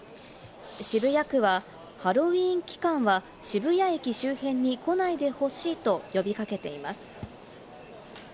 渋谷区はハロウィーン期間は渋谷駅周辺に来ないでほしいと呼び掛けています。